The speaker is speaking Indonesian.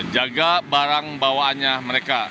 jaga barang bawaannya mereka